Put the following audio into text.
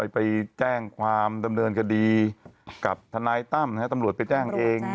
ไปแจ้งความดำเนินคดีกับทนายตั้มตำรวจไปแจ้งเอง